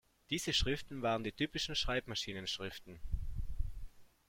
Diese Schriften waren die typischen Schreibmaschinen-Schriften.